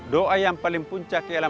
doa yang paling puncak kehilangan